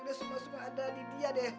dia semua semua ada di dia deh